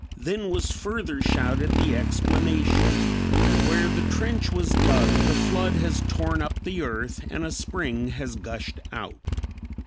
Then was further shouted the explanation, "Where the trench was dug the flood has torn up the earth and a spring has gushed out."